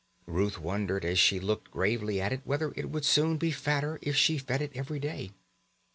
Ruth wondered as she looked gravely at it whether it would soon be fatter if she fed it every day.